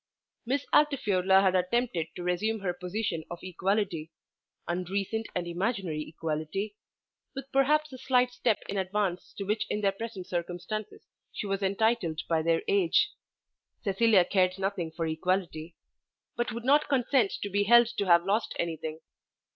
Miss Altifiorla had attempted to resume her position of equality, unreasoned and imaginary equality, with perhaps a slight step in advance to which in their present circumstances she was entitled by their age. Cecilia cared nothing for equality, but would not consent to be held to have lost anything.